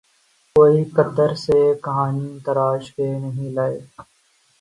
کوئی قطر سے کہانی تراش کے نہیں لائے۔